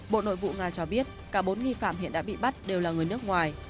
bộ nội vụ nga cho biết cả bốn nghi phạm hiện đã bị bắt đều là người nước ngoài